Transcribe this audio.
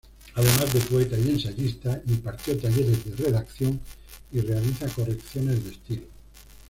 Además de poeta y ensayista, impartió talleres de redacción y realiza correcciones de estilo.